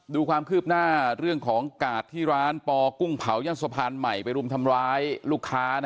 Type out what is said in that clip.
ดูความคืบหน้าเรื่องของกาดที่ร้านปอกุ้งเผาย่านสะพานใหม่ไปรุมทำร้ายลูกค้า